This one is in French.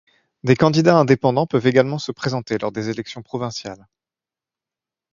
Des candidats indépendants peuvent également se présenter lors des élections provinciales.